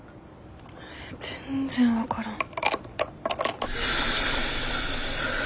全然分からん。